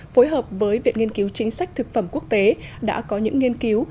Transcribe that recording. phối hợp với viện nghiên cứu chính sách thực phẩm quốc tế đã có những nghiên cứu